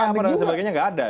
alasannya sebagainya nggak ada